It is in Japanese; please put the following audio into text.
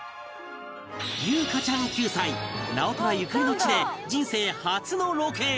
裕加ちゃん９歳直虎ゆかりの地で人生初のロケへ！